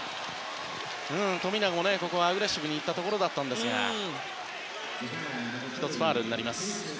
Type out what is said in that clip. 富永もアグレッシブにいったところだったんですが１つファウルになります。